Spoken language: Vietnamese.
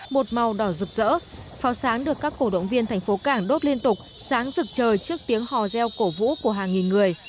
một màu đỏ rực rỡ pháo sáng được các cổ động viên thành phố cảng đốt liên tục sáng rực trời trước tiếng hò reo cổ vũ của hàng nghìn người